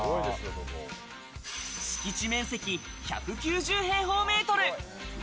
敷地面積１９０平方メートル。